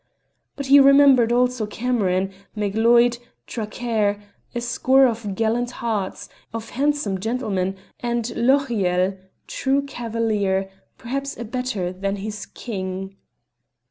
But he remembered also Cameron, Macleod, Traquair, a score of gallant hearts, of handsome gentlemen, and Lochiel, true chevalier perhaps a better than his king!